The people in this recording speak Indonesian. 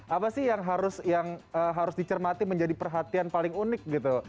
apa sih yang harus dicermati menjadi perhatian paling unik gitu